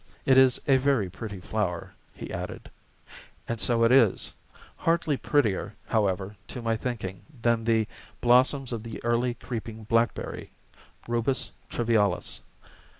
It is a very pretty flower," he added. And so it is; hardly prettier, however, to my thinking, than the blossoms of the early creeping blackberry (Rubus trivialis).